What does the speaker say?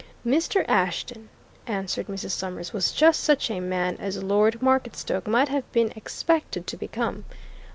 "Mr. Ashton," answered Mrs. Summers, "was just such a man as Lord Marketstoke might have been expected to become.